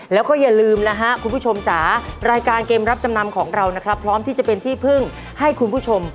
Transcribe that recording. แล้วก็อย่าลืมนะฮะคุณผู้ชมจ๋ารายการเกมรับจำนำของเรานะครับพร้อมที่จะเป็นที่พึ่งให้คุณผู้ชม